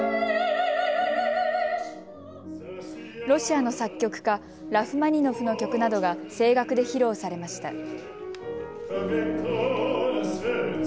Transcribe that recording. ロシアの作曲家、ラフマニノフの曲などが声楽で披露されました。